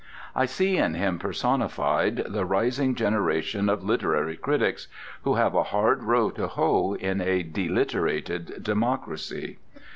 I see in him personified the rising generation of literary critics, who have a hard row to hoe in a deliterated democracy.